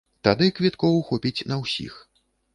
Тады квіткоў хопіць на ўсіх.